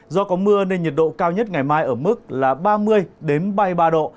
do có mưa nên nhiệt độ cao nhất ngày mai ở mức là ba mươi ba mươi ba độ